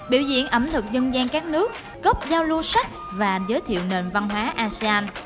biểu diễn ẩm thực dân gian các nước góp giao lưu sách và giới thiệu nền văn hóa asean